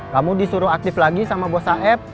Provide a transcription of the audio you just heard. kamu disuruh aktif lagi sama bos aep